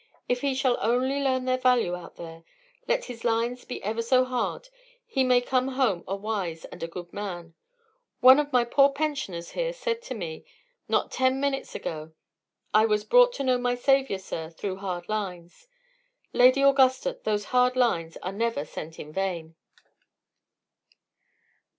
If he shall only learn their value out there, let his lines be ever so hard, he may come home a wise and a good man. One of my poor pensioners here said to me, not ten minutes ago, I was brought to know my Saviour, sir, through 'hard lines.' Lady Augusta, those 'hard lines' are never sent in vain."